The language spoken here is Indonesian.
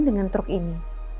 dengan truk ini